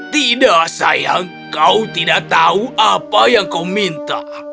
tidak sayang kau tidak tahu apa yang kau minta